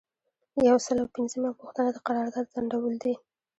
یو سل او پنځمه پوښتنه د قرارداد ځنډول دي.